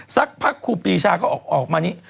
สักพักครูปีชาก็ออกมานี้